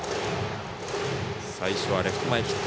最初はレフト前ヒット。